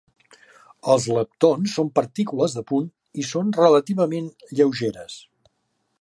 Els leptons són partícules de punt i són relativament lleugeres.